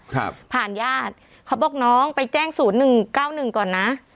ครับผ่านญาติเขาบอกน้องไปแจ้งศูนย์หนึ่งเก้าหนึ่งก่อนนะ